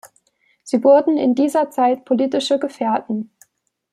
Sie wurden in dieser Zeit politische Gefährten.